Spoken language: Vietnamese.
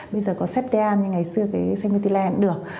bây giờ có xép đean nhưng ngày xưa cái xanh mê tí len cũng được